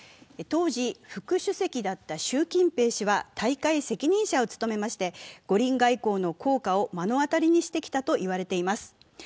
当時、副主席だった習近平氏は大会責任者を務め、五輪外交の効果を目の当たりにしてきたと言われています。